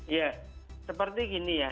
ya seperti ini ya